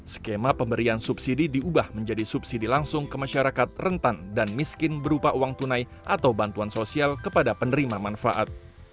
skema pemberian subsidi diubah menjadi subsidi langsung ke masyarakat rentan dan miskin berupa uang tunai atau bantuan sosial kepada penerima manfaat